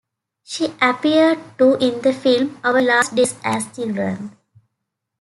She appeared too in the film "Our Last Days as Children".